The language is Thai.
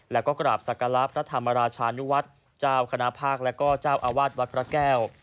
แล้วก็กราบศักระพระธรรมราชานุวัฒน์เจ้าคณะภาคและก็เจ้าอาวาสวัดพระแก้ว